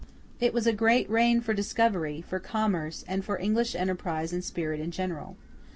It was a great reign for discovery, for commerce, and for English enterprise and spirit in general.